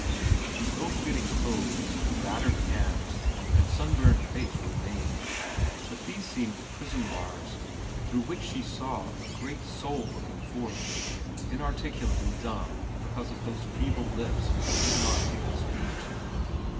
The ill fitting clothes, battered hands, and sunburned face remained; but these seemed the prison bars through which she saw a great soul looking forth, inarticulate and dumb because of those feeble lips that would not give it speech.